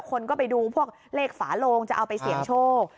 คนก็ไปดูพวกเลขฝาโลงจะเอาไปเสี่ยงโชค